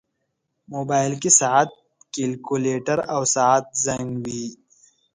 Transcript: موبایل کې ساعت، کیلکولیټر، او ساعت زنګ وي.